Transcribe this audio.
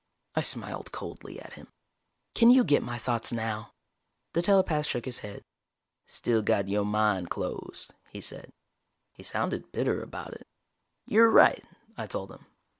I smiled coldly at him. "Can you get my thoughts now?" The telepath shook his head. "Still got yo' mind closed," he said. He sounded bitter about it. "You're right," I told him.